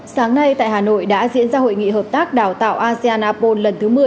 sáng nay tại hà nội đã diễn ra hội nghị hợp tác đào tạo asean apol lần thứ một mươi